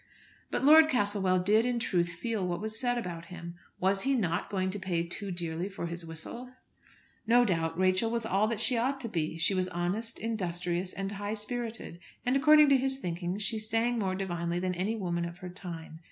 But Lord Castlewell did in truth feel what was said about him. Was he not going to pay too dearly for his whistle? No doubt Rachel was all that she ought to be. She was honest, industrious, and high spirited; and, according to his thinking, she sang more divinely than any woman of her time.